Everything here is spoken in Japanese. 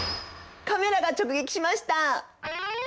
カメラが直撃しました！